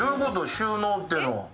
収納っていうのは。